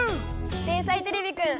「天才てれびくん」